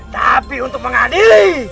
tapi untuk mengadili